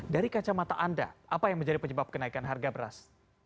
dari kacamata anda apa yang menjadi penyebab kenaikan harga beras